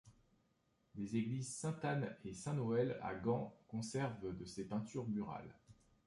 Les églises Sainte Anne et Saint Noël à Gand conservent de ses peintures murales.